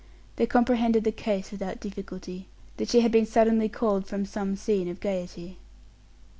They comprehended the case without difficulty; that she had been suddenly called from some scene of gayety.